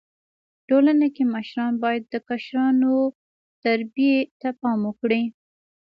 ټولنه کي مشران بايد د کشرانو و تربيي ته پام وکړي.